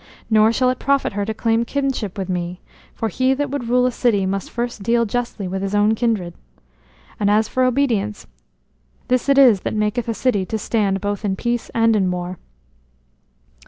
Nor shall it profit her to claim kinship with me, for he that would rule a city must first deal justly with his own kindred. And as for obedience, this it is that maketh a city to stand both in peace and in war."